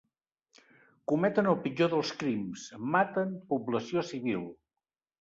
Cometen el pitjor dels crims: maten població civil.